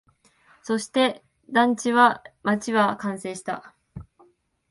そして、団地は、街は完成した